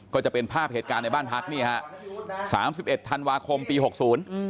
ก็จะเป็นภาพเหตุการณ์ในบ้านพักษ์นี่ฮะ๓๑ธันวาคมตี๖ศูนย์